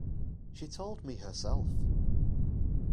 She told me herself.